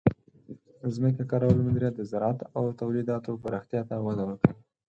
د ځمکې کارولو مدیریت د زراعت او تولیداتو پراختیا ته وده ورکوي.